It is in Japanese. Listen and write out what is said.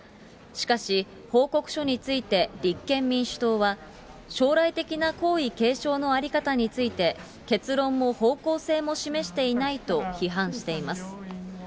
しかし、報告書について立憲民主党は将来的な皇位継承の在り方について、結論も方向性も示していないと、批判しています。